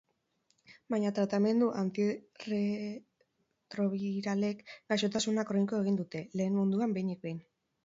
Baina tratamendu antirretrobiralek gaixotasuna kroniko egin dute, lehen munduan behinik behin.